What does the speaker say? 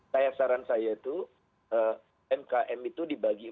saya saran saya itu umkm itu dibagi empat